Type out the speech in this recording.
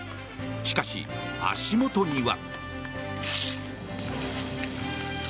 しかし、足元には。